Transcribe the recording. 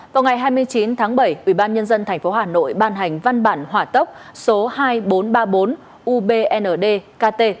vào ngày hai mươi chín tháng bảy ubnd tp hà nội ban hành văn bản hỏa tốc số hai nghìn bốn trăm ba mươi bốn ubndkt